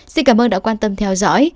xin cảm ơn đã quan tâm theo dõi